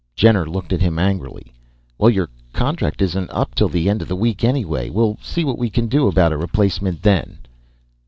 Jenner looked at him angrily. "Well, your contract isn't up till the end of the week anyway. We'll see what we can do about a replacement then."